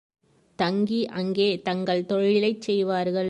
தங்கி அங்கே தங்கள் தொழிலைச் செய்வார்கள்.